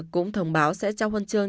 cũng thông báo sẽ trao huân chương